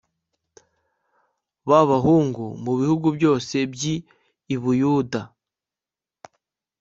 b abahungu mu bihugu byose by i buyudan i